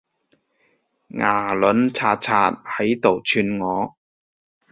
牙撚擦擦喺度串我